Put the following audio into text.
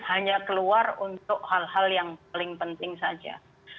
hanya keluar untuk hal hal yang paling penting saja